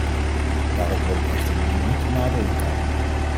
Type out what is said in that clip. Daarop wil ik echter nu niet nader ingaan.